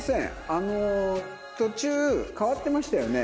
あの途中変わってましたよね。